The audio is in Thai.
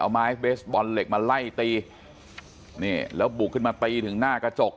เอาไม้เบสบอลเหล็กมาไล่ตีนี่แล้วบุกขึ้นมาตีถึงหน้ากระจก